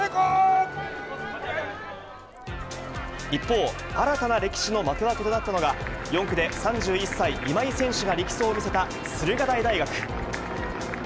一方、新たな歴史の幕開けとなったのが、４区で３１歳、今井選手が力走を見せた駿河台大学。